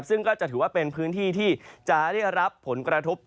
ซึ่งก็จะถือว่าเป็นพื้นที่ที่จะได้รับผลกระทบ